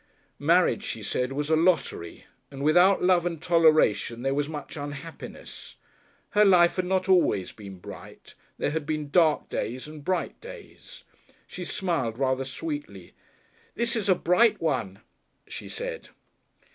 Marriage, she said, was a lottery, and without love and toleration there was much unhappiness. Her life had not always been bright there had been dark days and bright days. She smiled rather sweetly. "This is a bright one," she said.